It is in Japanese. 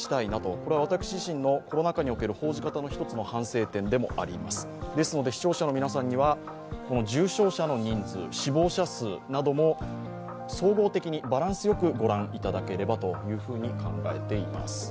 これは私自身のコロナ禍における報道者の一つの反省点でありますですから視聴者の皆さんも重症者の人数、死亡者数なども総合的にバランスよくご覧いただければと考えています。